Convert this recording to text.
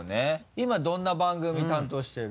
今どんな番組担当してる？